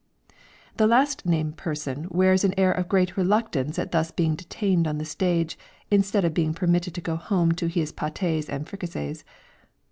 The last named person wears an air of great reluctance at thus being detained on the stage, instead of being permitted to go home to his patés and fricasées.